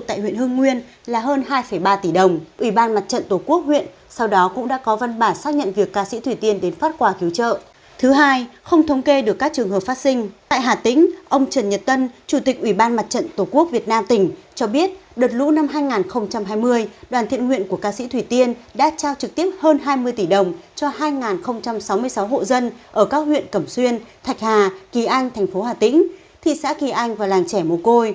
tại hà tĩnh ông trần nhật tân chủ tịch ủy ban mặt trận tổ quốc việt nam tỉnh cho biết đợt lũ năm hai nghìn hai mươi đoàn thiện nguyện của ca sĩ thủy tiên đã trao trực tiếp hơn hai mươi tỷ đồng cho hai sáu mươi sáu hộ dân ở các huyện cẩm xuyên thạch hà kỳ anh tp hà tĩnh thị xã kỳ anh và làng trẻ mồ côi